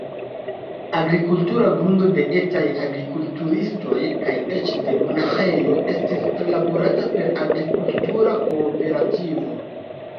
Agrikultura grundo de etaj agrikulturistoj kaj eĉ de monaĥejo estis prilaborata per agrikultura kooperativo.